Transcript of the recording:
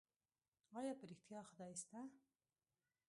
ايا په رښتيا خدای سته؟